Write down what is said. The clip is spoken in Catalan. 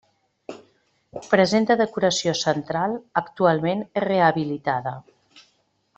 Presenta decoració central actualment rehabilitada.